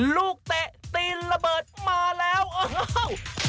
ลูกเตะตีนระเบิดมาแล้วโอ้โห